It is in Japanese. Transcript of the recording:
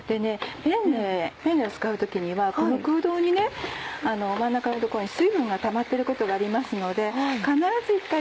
ペンネを使う時にはこの空洞に真ん中のとこに水分がたまってることがありますので必ず一回